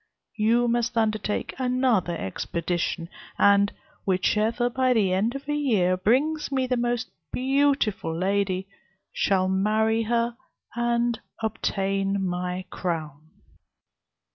You must undertake another expedition; and whichever, by the end of a year, brings me the most beautiful lady, shall marry her, and obtain my crown."